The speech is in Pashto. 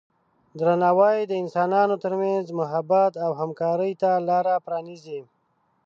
درناوی د انسانانو ترمنځ محبت او همکارۍ ته لاره پرانیزي.